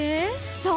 そう！